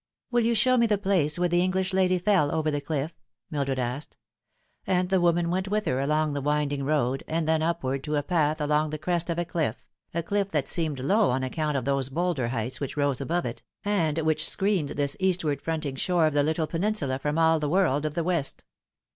"Will you show me the place where the English lady fell over the cfifE ?" Mildred asked ; and the woman went with her along the winding road, and then upward to a path along the crest of a cliff, a cliff that seemed low on account of those bolder heights which rose above it, and which screened this eastward fronting shore of the little peninsula from all the world of the west.